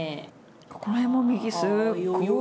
これも右、すっごい。